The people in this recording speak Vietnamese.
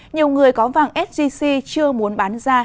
nhiều người có vàng sgc chưa muốn bán ra